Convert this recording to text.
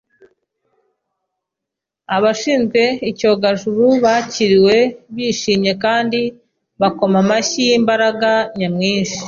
Abashinzwe icyogajuru bakiriwe bishimye kandi bakoma amashyi y'imbaga nyamwinshi.